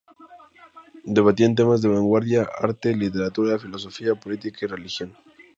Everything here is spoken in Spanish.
Debatían temas de vanguardia, arte, literatura, filosofía, política y religión.